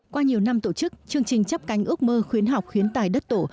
qua nhiều năm tổ chức chương trình chấp cánh ước mơ khuyến học khuyến tài đất tổ